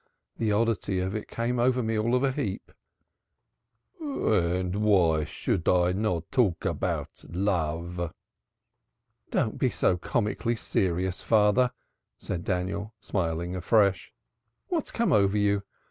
The oddity of it came over me all of a heap." "Why should I not talk about love?" "Don't be so comically serious, father," said Daniel, smiling afresh. "What's come over you?